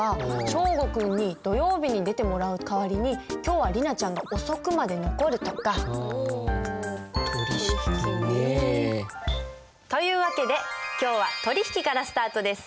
祥伍君に土曜日に出てもらう代わりに今日は莉奈ちゃんが遅くまで残るとか。という訳で今日は取引からスタートです。